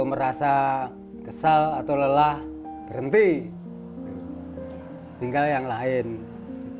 merasa kesal atau lelah berhenti tinggal yang lain biar tidak erok acak acakan